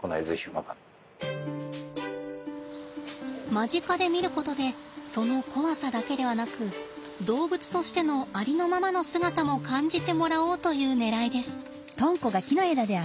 間近で見ることでその怖さだけではなく動物としてのありのままの姿も感じてもらおうというねらいです。